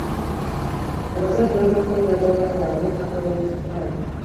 Abazadde bajja kukolera bawala baabwe ppamba w'ekikyala.